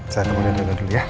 saya temui rena dulu ya